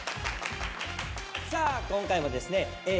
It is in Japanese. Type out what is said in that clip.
さあ今回もですねＡぇ！